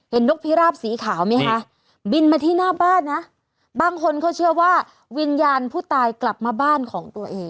นกพิราบสีขาวไหมคะบินมาที่หน้าบ้านนะบางคนเขาเชื่อว่าวิญญาณผู้ตายกลับมาบ้านของตัวเอง